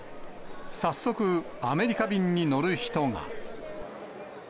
早速、アメリカ便に乗る人が。